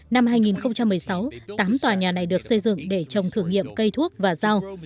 năm hai nghìn một mươi sáu tám tòa nhà này được xây dựng để trồng thử nghiệm cây thuốc và rau